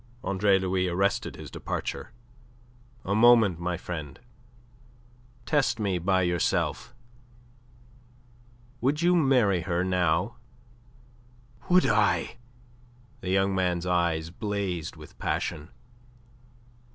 Andre Louis arrested his departure. "A moment, my friend. Test me by yourself. Would you marry her now?" "Would I?" The young man's eyes blazed with passion.